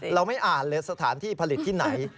เราไม่อ่านเลยสถานที่ผลิตที่ไหน